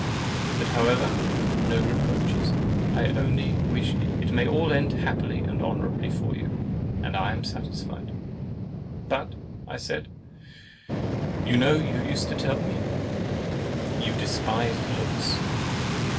But, however, no reproaches. I only wish it may all end happily and honourably for you, and I am satisfied. But," I said, "you know you used to tell me, you despised looks."